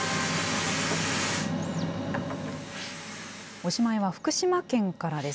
おしまいは福島県からです。